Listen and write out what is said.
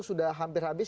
sudah hampir habis